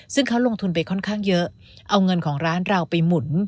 ซึ่งเขาลงทุนไปค่อนข้างเยอะเอาเงินของร้านเราไปหมุน